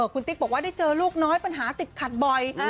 คุณติ๊กบอกว่าได้เจอลูกน้อยปัญหาติดขัดบ่อย